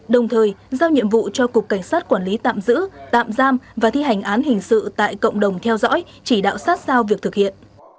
đồng thời giao nhiệm vụ cho cục cảnh sát quản lý tạm giữ tạm giam và thi hành án hình sự tại cộng đồng theo dõi chỉ đạo sát sao việc thực hiện